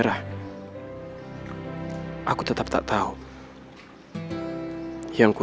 dan tiba tiba juga pengen mengati